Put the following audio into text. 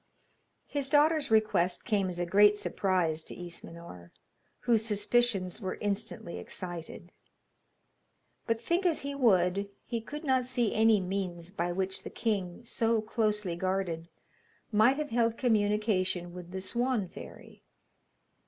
His daughter's request came as a great surprise to Ismenor, whose suspicions were instantly excited; but, think as he would, he could not see any means by which the king, so closely guarded, might have held communication with the Swan fairy.